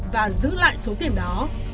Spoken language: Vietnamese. và giữ lại số tiền đó